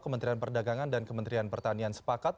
kementerian perdagangan dan kementerian pertanian sepakat